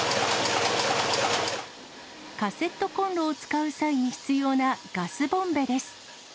カセットコンロを使う際に必要なガスボンベです。